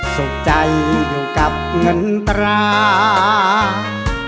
สุขใจอยู่กับเงินตรา